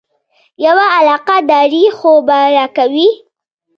یوه علاقه داري خو به راکوې.